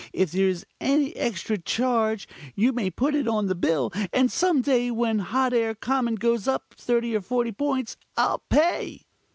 If there is any extra charge you may put it on the bill, and some day when Hot Air Common goes up thirty or forty points I'll pay."